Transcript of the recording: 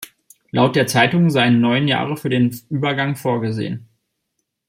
Laut der Zeitung seien neun Jahre für den Übergang vorgesehen.